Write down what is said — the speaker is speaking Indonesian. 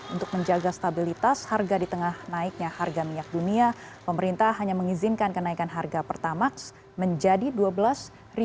untuk menjaga stabilitas harga di tengah naiknya harga minyak dunia pemerintah hanya mengizinkan kenaikan harga pertamax menjadi rp dua belas